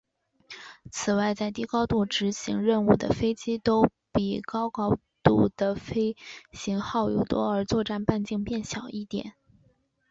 此外在低高度执行任务的飞机都比高高度的飞行耗油多而作战半径变小一点。